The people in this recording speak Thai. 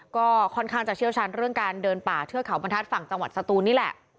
ก็ค่อนข้างจะเชี่ยวชาญเรื่องการเดินป่าเทือกเขาบรรทัศน์ฝั่งจังหวัดสตูนนี่แหละ